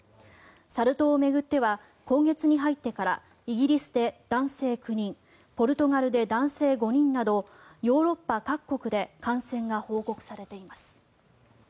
サル痘を巡っては今月に入ってからイギリスで男性９人ポルトガルで男性５人などヨーロッパ各国で感染が報告されています。